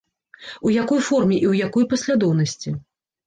У якой форме і ў якой паслядоўнасці?